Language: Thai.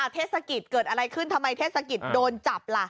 เทศกิจเกิดอะไรขึ้นทำไมเทศกิจโดนจับล่ะ